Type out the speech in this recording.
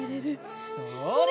それ！